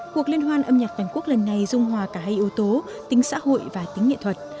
cuộc liên hoan âm nhạc vành quốc lần này dung hòa cả hai yếu tố tính xã hội và tính nghệ thuật